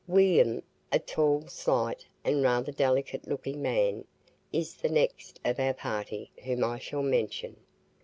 William , a tall, slight, and rather delicate looking man, is the next of our party whom I shall mention.